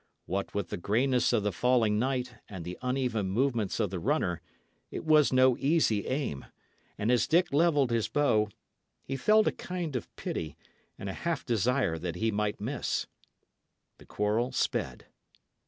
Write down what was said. What with the greyness of the falling night, and the uneven movements of the runner, it was no easy aim; and as Dick levelled his bow, he felt a kind of pity, and a half desire that he might miss. The quarrel sped.